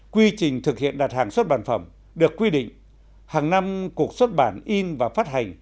quy trình thực hiện đặt hàng xuất bản phẩm được quy định hàng năm cuộc xuất bản in và phát hành